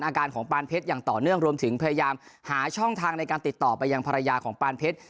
อาการของปานเพชรอย่างต่อเนื่องรวมถึงพยายามหาช่องทางในการติดต่อไปยังภรรยาของปานเพชร